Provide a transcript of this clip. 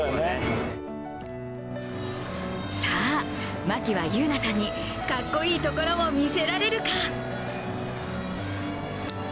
さあ、牧は優来さんにかっこいいところを見せられるか。